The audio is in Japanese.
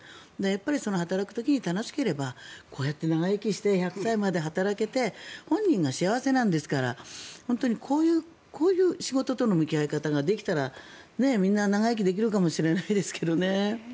やっぱり、働く時に楽しければこうやって長生きして１００歳まで働けて本人が幸せなんですからこういう仕事との向き合い方ができたらみんな長生きできるかもしれないですけどね。